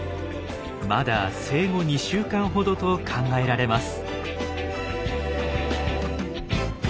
まだ生後２週間ほどと考えられます。